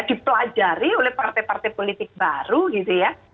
di pelajari oleh partai partai politik baru gitu ya